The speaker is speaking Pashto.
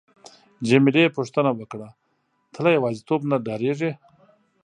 جميله پوښتنه وکړه: ته له یوازیتوب نه ډاریږې؟